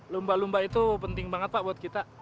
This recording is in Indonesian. lumba lumba itu penting banget pak buat kita